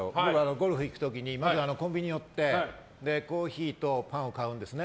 ゴルフ行く時にコンビニに寄ってコーヒーとパンを買うんですね。